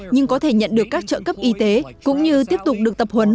nhưng có thể nhận được các trợ cấp y tế cũng như tiếp tục được tập huấn